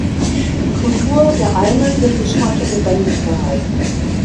Die Kultur der Almen wird bis heute lebendig gehalten.